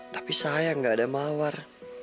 tapi sayang gak ada mawar